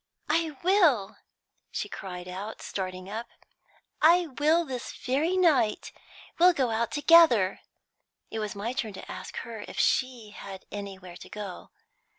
"I will," she cried out, starting up, "I will this very night! We'll go out together." It was my turn to ask her if she had anywhere to go to.